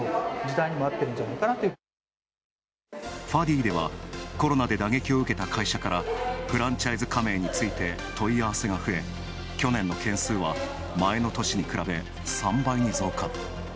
ファディーではコロナで打撃を受けた会社からフランチャイズ加盟について問い合わせが増え去年の件数は前の年に比べ、３倍に増加。